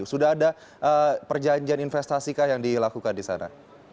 sudah ada perjanjian investasi kah yang dilakukan di sana